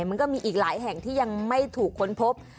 มันก็มีอีกหลายแห่งที่ยังไม่ถูกค้นพบ